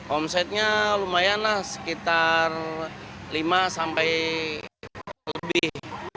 omsetnya lumayan lah sekitar lima sampai lebih